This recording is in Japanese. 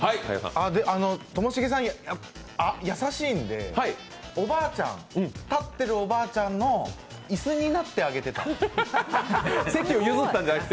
ともしげさん、優しいんで立ってるおばあちゃんの椅子になってあげてた。